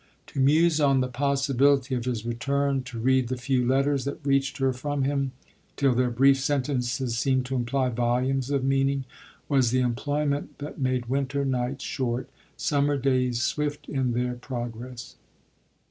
To muse on the possibility of his return, to read the few letters that reached her from him, till their brief sentences seemed to imply volumes of meaning, was the employment that made winter nights short, summer days swift in their pro gress.